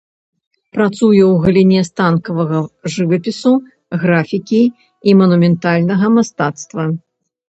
Працуе ў галіне станковага жывапісу, графікі і манументальнага мастацтва.